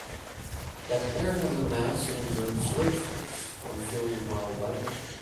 That air has a mass and exerts weight force, one feels while diving.